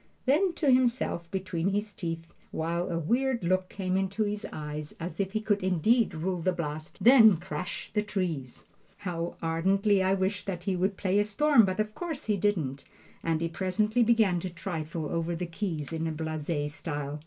Then to himself between his teeth, while a weird look came into his eyes as if he could indeed rule the blast, "Then crash the trees!" How ardently I wished that he would "play a storm," but of course he didn't, and he presently began to trifle over the keys in a blase style.